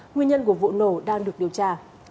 nguyên nhân của vụ nổ đang được điều tra